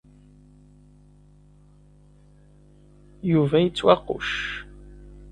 Yuba ittwaquc.